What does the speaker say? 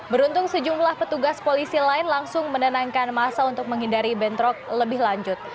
beruntung sejumlah petugas polisi lain langsung menenangkan masa untuk menghindari bentrok lebih lanjut